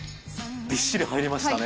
びっしり入りましたね。